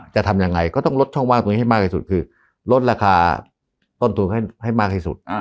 จะทำยังไงก็ต้องลดช่องว่างตรงนี้ให้มากที่สุดคือลดราคาต้นทุนให้มากที่สุด